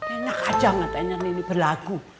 enak aja ngga tanya nini berlagu